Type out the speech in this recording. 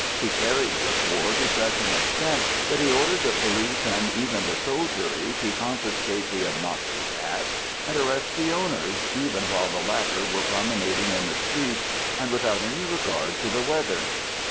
He carried this war to such an extent that he ordered the police and even the soldiery to confiscate the obnoxious hats and arrest the owners, even while the latter were promenading in the streets, and without any regard to the weather.